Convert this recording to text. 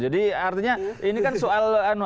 jadi artinya ini kan soal